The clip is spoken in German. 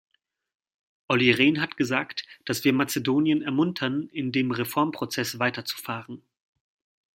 Olli Rehn hat gesagt, dass wir Mazedonien ermuntern, in dem Reformprozess weiterzufahren.